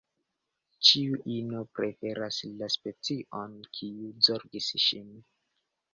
Ĉiu ino preferas la specion, kiu zorgis ŝin.